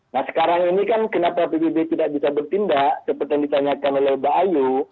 nah sekarang ini kan kenapa pbb tidak bisa bertindak seperti yang ditanyakan oleh mbak ayu